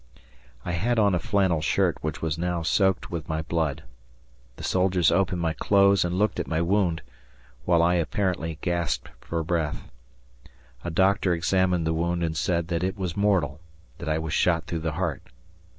I had on a flannel shirt which was now soaked with my blood. The soldiers opened my clothes and looked at my wound, while I apparently gasped for breath. A doctor examined the wound and said that it was mortal that I was shot through the heart.